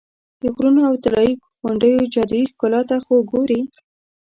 د غرونو او طلایي غونډیو جادویي ښکلا ته خو ګورې.